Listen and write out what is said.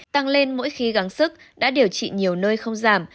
tăng lên mỗi khi gắng sức đã điều trị nhiều nơi không giảm